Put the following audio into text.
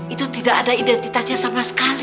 itu tidak ada identitasnya sama sekali